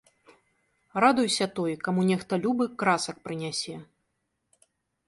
Радуйся той, каму нехта любы красак прынясе.